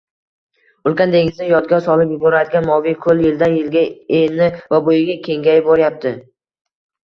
Ulkan dengizni yodga solib yuboradigan moviy koʻl yildan-yilga eni va boʻyiga kengayib boryapti